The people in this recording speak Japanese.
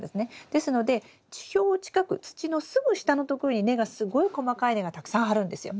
ですので地表近く土のすぐ下のところに根がすごい細かい根がたくさん張るんですよ。